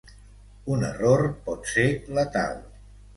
Un error pot ser letal.